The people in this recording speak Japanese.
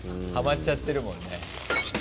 ハマっちゃってるもんね。